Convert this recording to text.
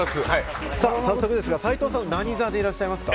早速ですが、斉藤さん、何座でいらっしゃいますか？